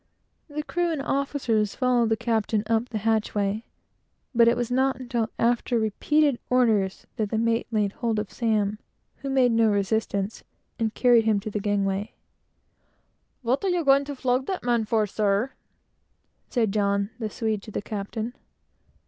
The crew and officers followed the captain up the hatchway, and after repeated orders the mate laid hold of Sam, who made no resistance, and carried him to the gangway. "What are you going to flog that man for, sir?" said John, the Swede, to the captain.